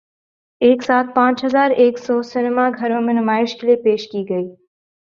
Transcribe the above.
ایک ساتھ پانچ ہزار ایک سو سینما گھروں میں نمائش کے لیے پیش کی گئی